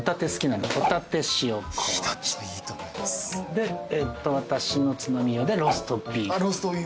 で私のつまみ用でローストビーフ。